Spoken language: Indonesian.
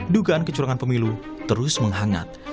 dugaan kecurangan pemilu terus menghangat